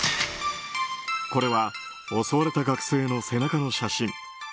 これは襲われた学生の背中の写真。